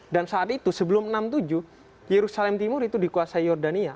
dan saat itu sebelum seribu sembilan ratus enam puluh tujuh yerusalem timur itu dikuasai yordania